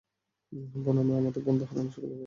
বোন, আমরা আমাদের বন্ধু হারানোর শোক থেকে বেরিয়ে এসেছি।